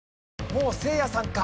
もうせいやさんか？